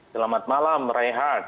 selamat malam raihan